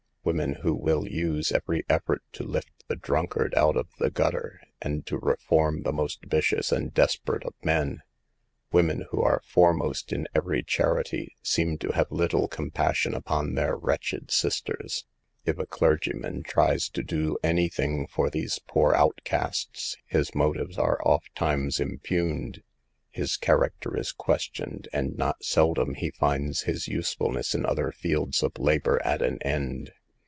Women who will use every effort to lift the drunkard out of the gutter, and to reform the most vicious and des perate of men,— women who are foremost in Q ii 242 SAVE THE GIRLS. every charity,— seem to have little compassion upon their wretched sisters. If a clergyman tries to do anything for these poor outcasts, his motives are ofttimes impugned, his char acter is questioned, and not seldom he finds his usefulness in other fields of labor at an end.